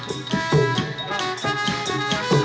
โอ้โหโอ้โหโอ้โหโอ้โห